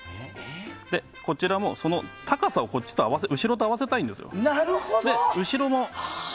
こちらも高さを後ろと合わせたいんですよ。